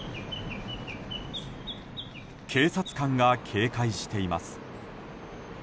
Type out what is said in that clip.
警察官が警戒しています。